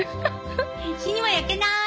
日にも焼けない！